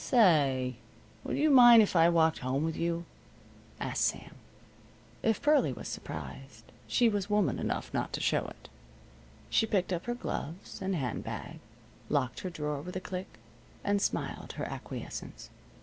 "Say, would you mind if I walked home with you?" asked Sam. If Pearlie was surprised, she was woman enough not to show it. She picked up her gloves and hand bag, locked her drawer with a click, and smiled her acquiescence.